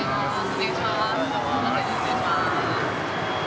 お願いします。